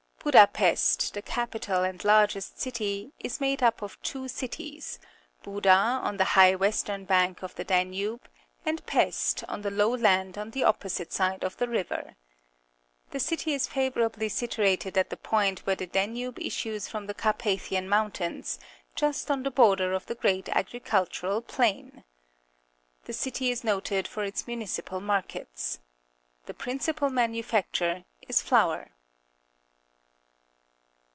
— Budapest, the capital and largest city, is made up of two cities, Buda, on the high western bank of the Danube, and Pest, on the low land on the opposite side of the river. The city is Budapest, Hungary favourably situated at the point where the Danube issues from the Carpathian Moun tains, just on the border of the great agricul tural plain. The city is noted for its mmiicipal markets. The principal manufacture is flour.